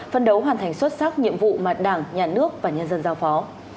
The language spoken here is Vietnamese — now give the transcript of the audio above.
phân đấu hoàn thành xuất sắc nhiệm vụ mà đảng nhà nước và nhân dân giao phó